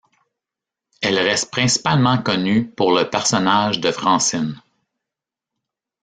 Elle reste principalement connue pour le personnage de Francine.